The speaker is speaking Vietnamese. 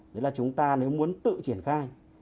nếu chúng ta muốn tự triển khai